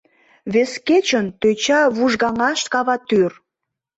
Вес кечын тӧча вужгаҥаш каватӱр —